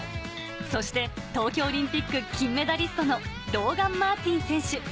そして東京オリンピック金メダリストのローガン・マーティン選手